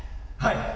はい！